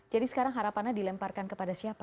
jadi sekarang harapannya dilemparkan kepada siapa